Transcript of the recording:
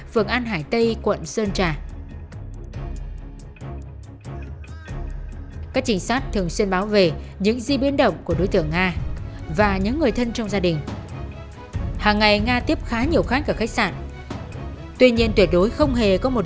hội tống đối tượng nga khi nga từ hà nội vào